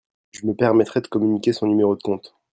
Je me permettrai de communiquer son numéro de compte.